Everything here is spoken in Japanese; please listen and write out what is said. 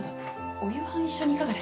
お夕飯一緒にいかがですか？